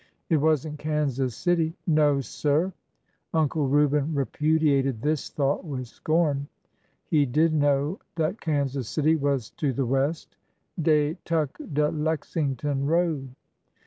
It was n't Kansas City ?"'' No, sir !" Uncle Reuben repudiated this thought with scorn. He did know that Kansas City was to the west. Dey tuk de Lexington road."